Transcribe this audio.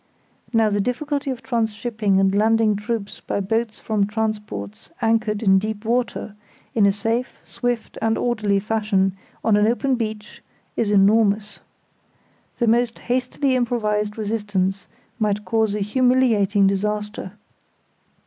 Now the difficulty of transshipping and landing troops by boats from transports anchored in deep water, in a safe, swift, and orderly fashion, on an open beach, is enormous. The most hastily improvised resistance might cause a humiliating disaster.